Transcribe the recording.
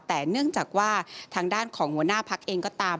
แต่เนื่องจากว่าทางด้านของหัวหน้าพักเองก็ตาม